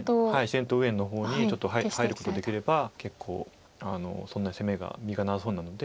自然と右辺の方にちょっと入ることできれば結構そんなに攻めが実がなさそうなので。